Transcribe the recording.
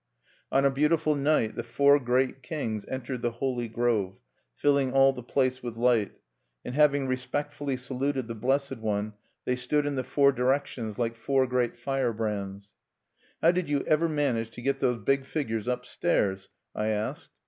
_On a beautiful night the Four Great Kings entered the holy grove, filling all the place with light; and having respectfully saluted the Blessed One, they stood in the four directions, like four great firebrands_. "How did you ever manage to get those big figures upstairs?" I asked.